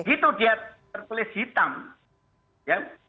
begitu dia tertulis hitam ya